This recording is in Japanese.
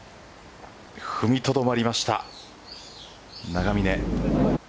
踏みとどまりました永峰。